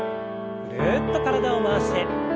ぐるっと体を回して。